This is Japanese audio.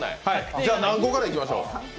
何個からいきましょう？